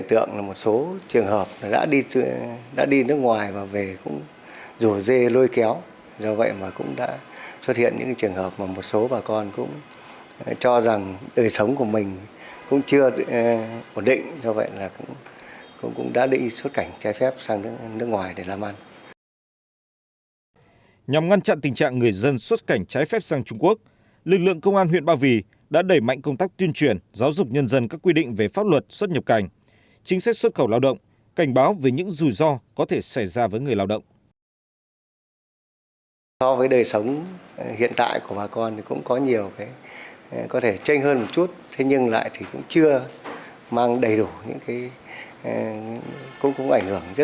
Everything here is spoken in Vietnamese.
trong thời gian nhiều năm qua thì trên địa bàn huyện ba vì cũng rất xuất hiện cái tình trạng mà dân xuất cảnh trái phép đến nước ngôi